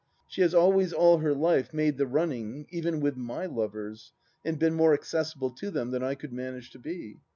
She has always all her life made the running, even with my lovers, and been more accessible to them than I could manage to be.